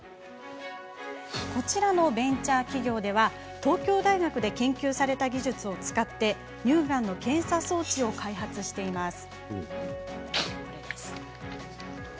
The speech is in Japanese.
こちらのベンチャー企業では東京大学で研究された技術を使って、乳がんの検査装置を開発しています。